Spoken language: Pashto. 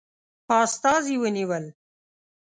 استازي ونیول.